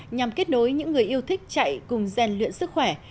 nhằm kết nối những người yêu thích chạy cùng gian luyện sức khỏe